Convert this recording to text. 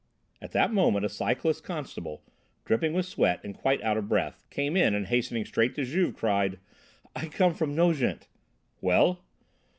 At that moment a cyclist constable, dripping with sweat and quite out of breath, came in and hastening straight to Juve, cried: "I come from Nogent!" "Well?"